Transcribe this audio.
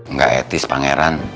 nggak etis pangeran